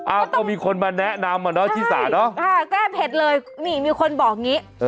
อ้าวก็มีคนมาแนะนำอ๋น้อยเนาะจี้ซาเนาะอ้าวแก้เผ็ดเลยมีคนบอกอืม